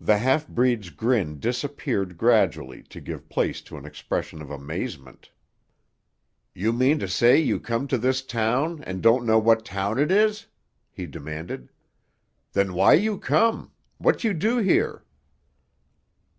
The half breed's grin disappeared, gradually to give place to an expression of amazement. "You mean to say you come to this town and don't know what town it is?" he demanded. "Then why you come? What you do here?"